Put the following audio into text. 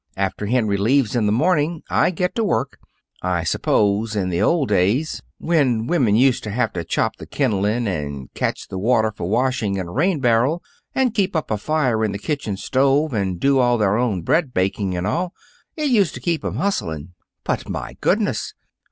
After Henry leaves in the morning, I get to work. I suppose, in the old days, when women used to have to chop the kindling, and catch the water for washing in a rain barrel, and keep up a fire in the kitchen stove and do their own bread baking and all, it used to keep 'em hustling. But, my goodness!